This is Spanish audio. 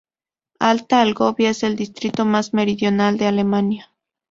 Alta Algovia es el distrito más meridional de Alemania.